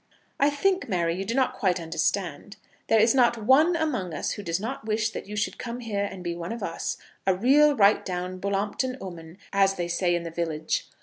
"I think, Mary, you do not quite understand. There is not one among us who does not wish that you should come here and be one of us; a real, right down Bullompton 'ooman, as they say in the village.